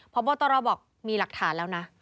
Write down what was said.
พบตรบอกมีหลักฐานแล้วนะ